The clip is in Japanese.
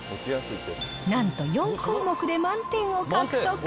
なんと４項目で満点を獲得。